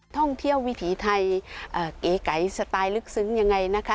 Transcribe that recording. ท่องเที่ยววิถีไทยเก๋ไก่สไตล์ลึกซึ้งยังไงนะคะ